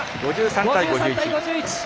５３対５１。